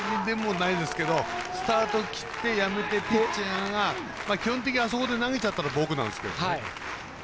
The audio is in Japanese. スタート切ってやめてピッチャーが基本的にあそこで投げちゃったらボークなんですけどね。